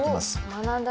学んだ